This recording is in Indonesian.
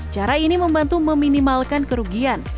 cara ini membantu meminimalkan kerugian